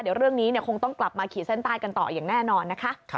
เดี๋ยวเรื่องนี้คงต้องกลับมาขีดเส้นใต้กันต่ออย่างแน่นอนนะคะ